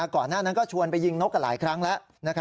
ก่อนหน้านั้นก็ชวนไปยิงนกกันหลายครั้งแล้ว